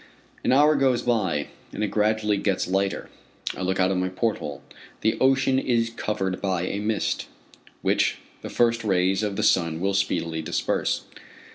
An hour goes by, and it gradually gets lighter. I look out of my porthole. The ocean is covered by a mist, which the first rays of the sun will speedily disperse.